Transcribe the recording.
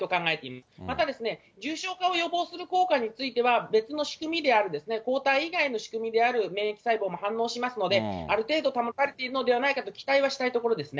また、重症化を予防する効果については、別の仕組みである抗体以外の仕組みである免疫細胞も反応しますので、ある程度保たれているのではないかと期待はしたいところですね。